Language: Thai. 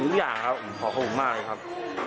ขอขอบคุณมากเลยครับ